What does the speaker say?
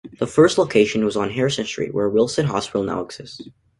The first location was on Harrison Street where Wilson Hospital now exists.